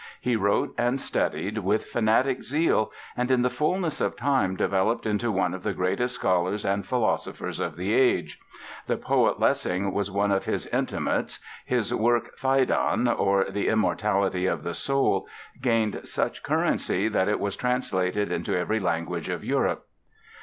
He wrote and studied with fanatic zeal and in the fullness of time developed into one of the greatest scholars and philosophers of the age. The poet Lessing was one of his intimates. His work, "Phaedon, or the Immortality of the Soul", gained such currency that it was translated into every language of Europe.